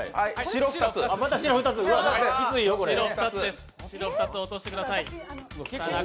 白２つ落としてください。